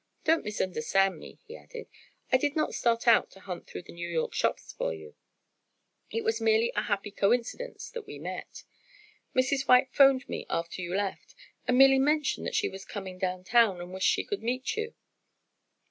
Don't misunderstand me," he added, "I did not start out to hunt through the New York shops for you, it was merely a happy coincidence that we met. Mrs. White 'phoned me after you left and merely mentioned that as she was coming down town she wished she could meet you.